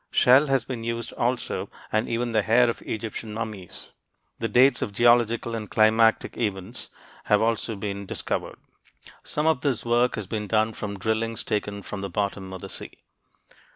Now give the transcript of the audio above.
Shell has been used also, and even the hair of Egyptian mummies. The dates of geological and climatic events have also been discovered. Some of this work has been done from drillings taken from the bottom of the sea.